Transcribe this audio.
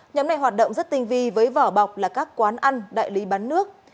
nhóm này hoạt động rất tinh vi với vỏ bọc là các quán ăn đại lý bán nước